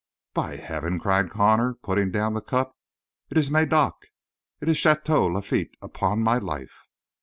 "By Heaven," cried Connor, putting down the cup, "it is Médoc! It is Château Lafite, upon my life!"